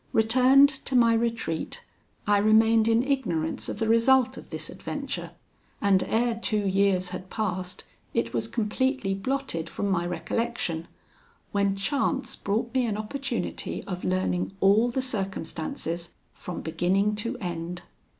Returned to my retreat, I remained in ignorance of the result of this adventure; and ere two years had passed, it was completely blotted from my recollection, when chance brought me an opportunity of learning all the circumstances from beginning to end.